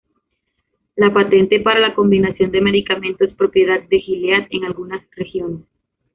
La patente para la combinación de medicamentos es propiedad de Gilead en algunas regiones.